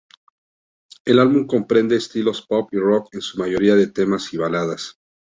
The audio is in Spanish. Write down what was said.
El álbum comprende estilos pop y rock, en su mayoría de temas y baladas.